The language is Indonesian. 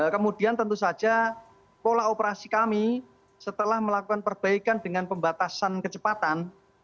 kemudian tentu saja pola operasi kami setelah melakukan perbaikan dengan pembatasan kecepatan